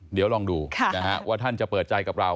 เดี๋ยวลองดูว่าท่านจะเปิดใจกับเรา